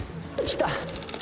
来た。